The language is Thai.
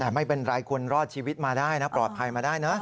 แต่ไม่เป็นไรคุณรอดชีวิตมาได้นะปลอดภัยมาได้นะ